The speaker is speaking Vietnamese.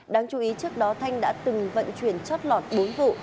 đáng chú ý trước đó thanh đã từng vận chuyển chót lọt bốn vụ